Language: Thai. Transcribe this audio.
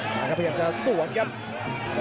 มาครับเพื่อนเชียงดาวส่วนครับ